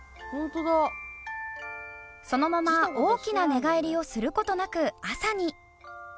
そのまま大きな寝返りをする事なく朝に。